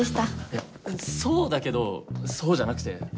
いやそうだけどそうじゃなくて。